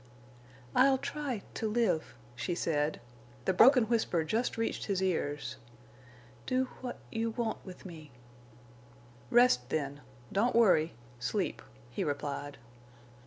"I'll try—to live," she said. The broken whisper just reached his ears. "Do what—you want—with me." "Rest then—don't worry—sleep," he replied.